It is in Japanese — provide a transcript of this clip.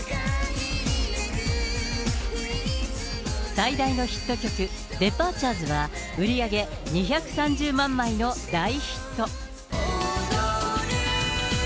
最大のヒット曲、デパーチャーズは売り上げ２３０万枚の大ヒット。